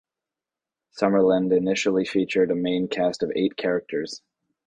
"Summerland" initially featured a main cast of eight characters.